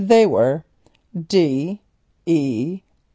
They were: D...............E...............